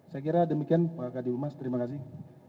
saya kira demikian pak kadi umas terima kasih